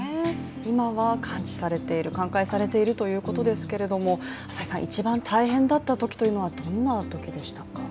今は完治されている、寛解されているとのことですがというところですけれども一番大変だったときはどんなときでしたか？